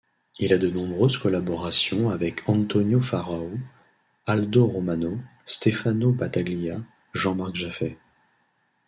Il a de nombreuses collaborations avec Antonio Faraò, Aldo Romano, Stefano Battaglia, Jean-Marc Jafet.